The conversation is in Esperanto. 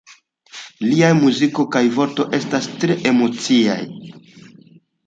Liaj muziko kaj vortoj estas tre emociaj.